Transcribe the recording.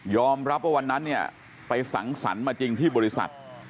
รับว่าวันนั้นเนี่ยไปสังสรรค์มาจริงที่บริษัท